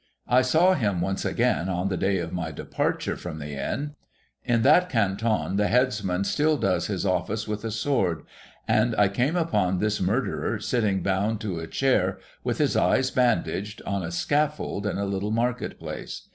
I saw him once again, on the day of my departure from the Inn. In that Canton the headsman still does his office with a sword ; and I came upon this murderer sitting bound to a chair, with his eyes bandaged, on a scaffold in a little market place.